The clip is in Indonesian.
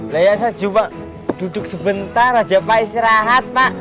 saya coba duduk sebentar aja pak istirahat pak